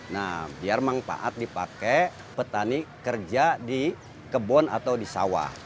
nah biar manfaat dipakai petani kerja di kebun atau di sawah